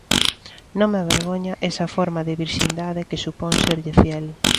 Non me avergoña esa forma de virxindade que supón serlle fiel.